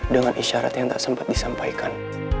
dengan isyarat yang tak sempat disampaikan